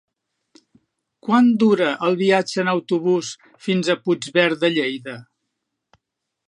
Quant dura el viatge en autobús fins a Puigverd de Lleida?